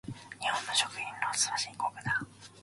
日本の食品ロスは深刻だ。